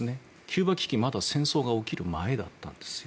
キューバ危機はまだ戦争が起きる前だったんです。